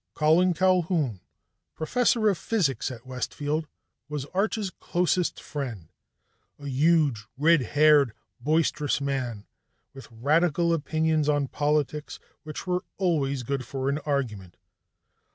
Colin Culquhoun, professor of physics at Westfield, was Arch's closest friend a huge, red haired, boisterous man with radical opinions on politics which were always good for an argument.